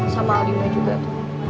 sama aldi gue juga tuh